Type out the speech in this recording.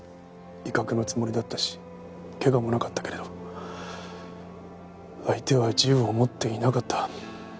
威嚇のつもりだったし怪我もなかったけれど相手は銃を持っていなかった。